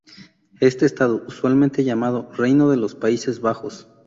Este estado, usualmente llamado Reino de los Países Bajos.